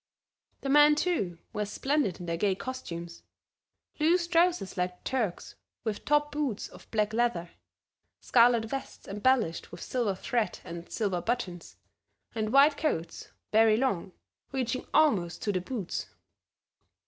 The men, too, were splendid in their gay costumes; loose trousers like the Turks, with top boots of black leather; scarlet vests embellished with silver thread and silver buttons, and white coats, very long, reaching almost to the boots.